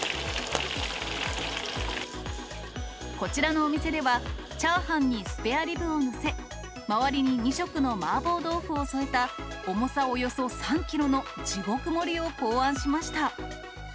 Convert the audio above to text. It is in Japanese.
こちらのお店では、チャーハンにスペアリブを載せ、周りに２色の麻婆豆腐を添えた重さおよそ３キロの地獄盛りを考案しました。